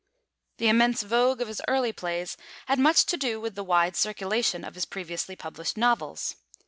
The immense vogue of his early plays had much to do with the wide circulation of his previously published novels.